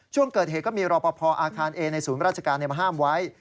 ช่วงเกิดเหตุก็มีรอปภอาคารเอในศูนย์ราชการมาห้ามไว้